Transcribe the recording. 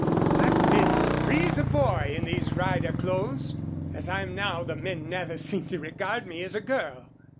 I've been free as a boy in these rider clothes. As I am now the men never seem to regard me as a girl.